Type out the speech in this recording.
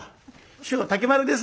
「師匠竹丸です。